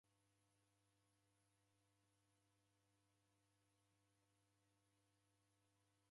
Idime ni ituku jhe lomba.